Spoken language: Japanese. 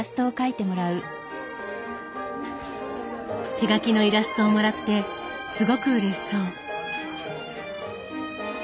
手描きのイラストをもらってすごくうれしそう。